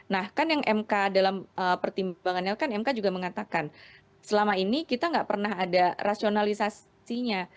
nah kan yang mk dalam pertimbangannya kan mk juga mengatakan selama ini kita nggak pernah ada rasionalisasinya